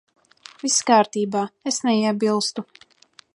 Viss kārtībā. Es neiebilstu.